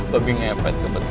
babi nyepet kebetulan